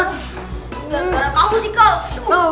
gara gara kamu sih kau